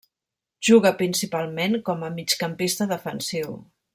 Juga principalment com a migcampista defensiu.